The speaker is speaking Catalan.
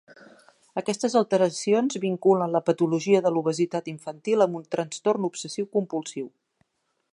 Aquestes alteracions vinculen la patologia de l'obesitat infantil amb un trastorn obsessiu-compulsiu.